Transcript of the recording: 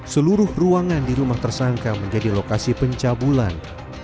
seluruh ruangan di rumah tersangka menjadi lokasi pencabulan